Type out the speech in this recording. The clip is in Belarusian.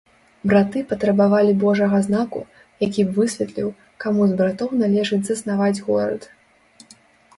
Браты патрабавалі божага знаку, які б высветліў, каму з братоў належыць заснаваць горад.